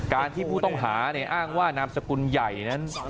การที่ผู้ต้องหาอ้างว่านามสกุลใหญ่นั้น